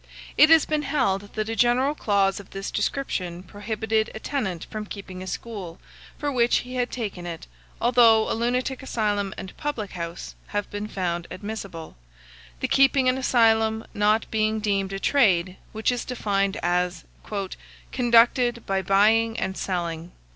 It has been held that a general clause of this description prohibited a tenant from keeping a school, for which he had taken it, although a lunatic asylum and public house have been found admissible; the keeping an asylum not being deemed a trade, which is defined as "conducted by buying and selling."